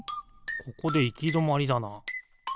ここでいきどまりだな。